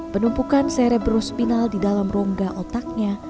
penumpukan serebro spinal di dalam rongga otaknya